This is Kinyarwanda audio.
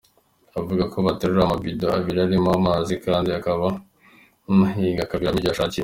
Avuga ko ubu aterura amabido abiri arimo amazi kandi akaba anahinga akaviramo igihe ashakiye.